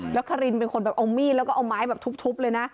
แล้วคารินเป็นคนแบบเอามีดแล้วก็เอาไม้แบบทุบเลยนะ